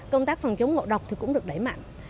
công tác phòng chống ngộ độc cũng được đẩy mạnh